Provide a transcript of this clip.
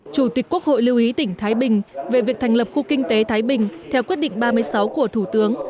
chủ tịch quốc hội lưu ý tỉnh thái bình về việc thành lập khu kinh tế thái bình theo quyết định ba mươi sáu của thủ tướng